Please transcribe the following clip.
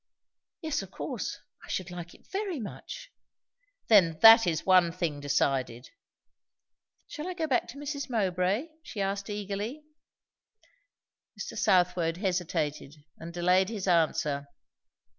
"Yes, of course. I should like it very much." "Then that is one thing decided." "Shall I go back to Mrs. Mowbray?" she asked eagerly. Mr. Southwode hesitated, and delayed his answer.